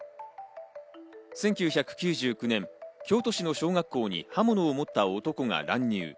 １９９９年、京都市の小学校に刃物を持った男が乱入。